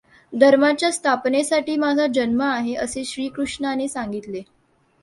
धर्माच्या पुनर्स्थापनेसाठी माझा जन्म आहे, असे श्रीकृष्णाने सांगितले.